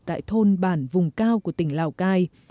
tại thôn bản vùng cao của tỉnh lào cai